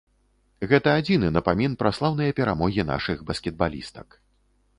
Гэта адзіны напамін пра слаўныя перамогі нашых баскетбалістак.